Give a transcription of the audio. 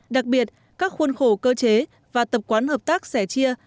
đặc biệt các khuôn khổ cơ chế và tập quán hợp tác sẻ chia